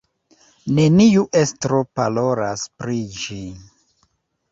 Neniu estro parolas pri ĝi.